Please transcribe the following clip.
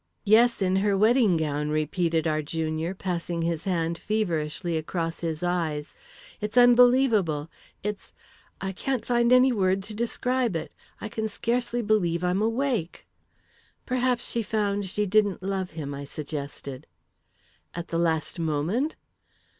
"Yes, in her wedding gown!" repeated our junior, passing his hand feverishly across his eyes. "It's unbelievable! It's I can't find any word to describe it. I can scarcely believe I'm awake." "Perhaps she found she didn't love him," I suggested. "At the last moment?"